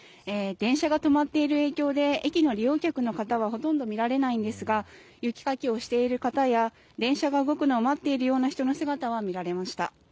電車が止まっている影響で駅の利用客はほとんど見られないんですが雪かきをしている方や電車が動くのを待っているような人の姿は見られました。